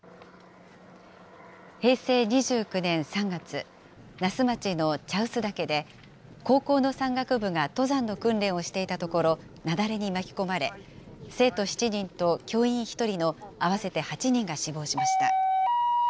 平成２９年３月、那須町の茶臼岳で、高校の山岳部が登山の訓練をしていたところ、雪崩に巻き込まれ、生徒７人と教員１人の合わせて８人が死亡しました。